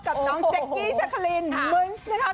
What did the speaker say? กับน้องเจ๊กกี้แชคลินมึนซ์นะครับ